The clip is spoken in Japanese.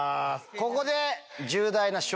ここで。